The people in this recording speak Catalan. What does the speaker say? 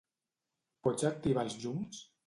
Pots activar els llums?